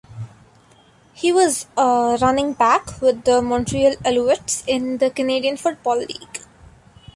He was a running back with the Montreal Alouettes in the Canadian Football League.